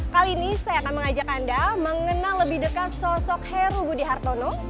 kali ini saya akan mengajak anda mengenal lebih dekat sosok heru budi hartono